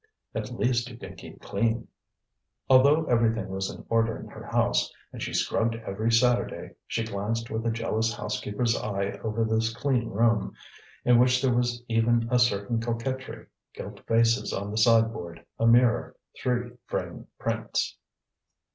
At least you can keep clean." Although everything was in order in her house, and she scrubbed every Saturday, she glanced with a jealous housekeeper's eye over this clean room, in which there was even a certain coquetry, gilt vases on the sideboard, a mirror, three framed prints.